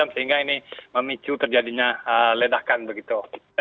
sehingga ini memicu terjadinya ledakan begitu